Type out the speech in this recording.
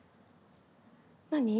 何？